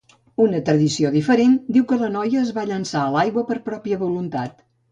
Una tradició diferent diu que la noia es va llançar a l'aigua per pròpia voluntat.